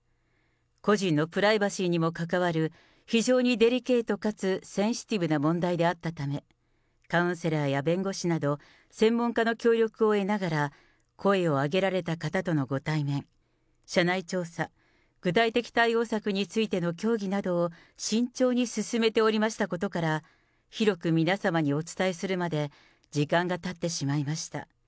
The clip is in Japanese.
個人のプライバシーにも関わる、非常にデリケートかつセンシティブな問題であったため、カウンセラーや弁護士など専門家の協力を得ながら、声を上げられた方とのご対面、社内調査、具体的対応策についての協議などを慎重に進めておりましたことから、広く皆様にお伝えするまで時間がたってしまいました。